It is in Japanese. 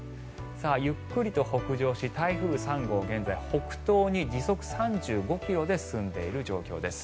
ゆっくりと北上し、台風３号現在北東に時速３５ｋｍで進んでいる状況です。